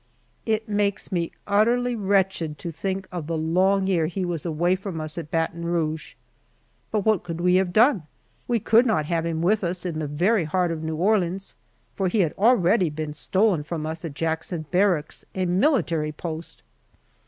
It makes me utterly wretched to think of the long year he was away from us at Baton Rouge. But what could we have done? We could not have had him with us, in the very heart of New Orleans, for he had already been stolen from us at Jackson Barracks, a military post!